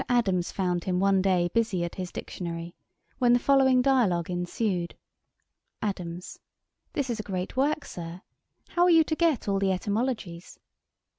Adams found him one day busy at his Dictionary, when the following dialogue ensued. 'ADAMS. This is a great work, Sir. How are you to get all the etymologies?